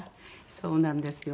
そうなんですよ